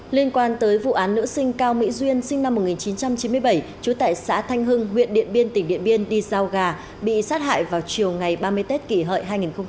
liên quan tới vụ án nữ sinh cao mỹ duyên sinh năm một nghìn chín trăm chín mươi bảy trú tại xã thanh hưng huyện điện biên tỉnh điện biên đi giao gà bị sát hại vào chiều ngày ba mươi tết kỷ hợi hai nghìn một mươi chín